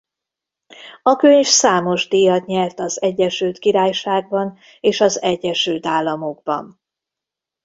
A könyv számos díjat nyert az Egyesült Királyságban és az Egyesült Államokban.